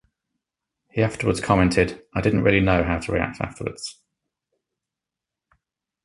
He afterwards commented I didn't really know how to react afterwards.